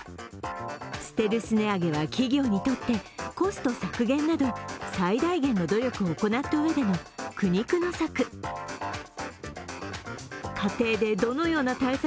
ステルス値上げは企業にとってコスト削減など最大限の努力を行ったうえでの苦肉の策。